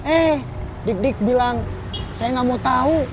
eh dik dik bilang saya nggak mau tahu